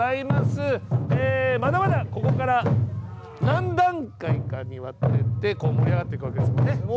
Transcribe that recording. まだまだ、ここから何段階かにわたって盛り上がっていくわけですもんね。